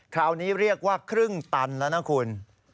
คราวนี้เรียกว่าครึ่งตันแล้วนะคุณ